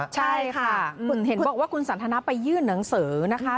ใช่ค่ะบอกว่าคุณสันทนาไปยื่นหนังสือนะคะ